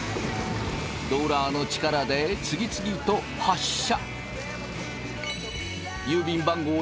ローラーの力で次々と発射。